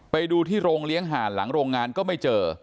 ไปดูที่โรงเลี้ยงห่านหลังโรงงานก็ไม่เจอ